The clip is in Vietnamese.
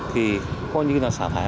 thì coi như xả thải